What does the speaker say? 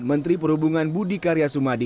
menteri perhubungan budi karya sumadi